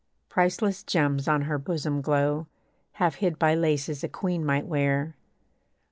Priceless gems on her bosom glow Half hid by laces a queen might wear.